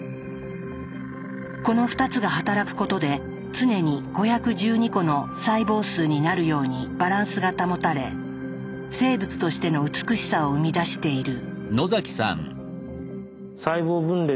この２つが働くことで常に５１２個の細胞数になるようにバランスが保たれ生物としての美しさを生み出している。